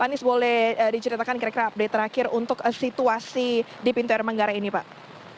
pak anies boleh diceritakan kira kira update terakhir untuk situasi di pintu air manggarai ini pak